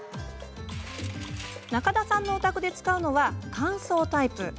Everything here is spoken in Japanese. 中田さんのお宅で使うのは乾燥タイプ。